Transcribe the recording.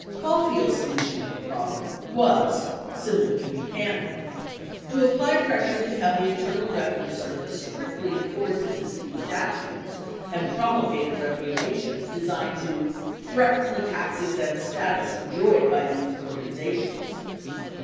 Caulfield's solution to the problem was, similar to Buchanan, to apply pressures to have the Internal Revenue Service strictly enforce existing Statutes and promulgated regulations designed to "threaten the tax exempt status enjoyed by these organizations."